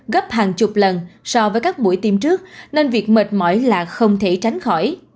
gấp hàng chục lần so với các buổi tiêm trước nên việc mệt mỏi là không thể tránh khỏi